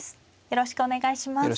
よろしくお願いします。